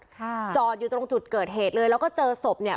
จอดอยู่ตรงจุดเกิดเหตุเลยแล้วก็เจอศพเนี่ย